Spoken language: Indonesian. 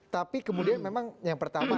tapi kemudian memang yang pertama